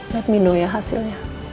let me know ya hasilnya